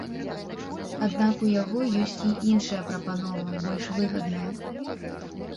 Аднак у яго ёсць і іншая прапанова, больш выгадная.